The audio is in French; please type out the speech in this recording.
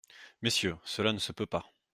Messieurs, cela ne se peut pas.